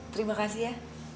terima kasih ya